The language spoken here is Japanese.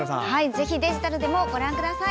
ぜひデジタルでもご覧ください。